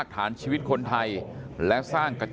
การสอบส่วนแล้วนะ